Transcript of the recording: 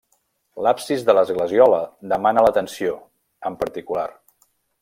L'absis de l'esglesiola demana l'atenció, en particular.